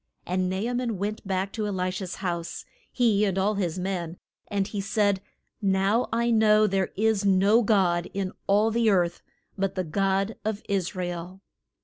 And Na a man went back to E li sha's house, he and all his men, and he said, Now I know there is no God in all the earth but the God of Is ra el.